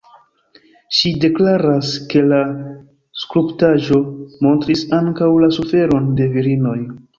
Ŝi deklaras ke la skulptaĵo montris ankaŭ la suferon de virinoj.